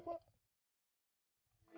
udah selesai google ya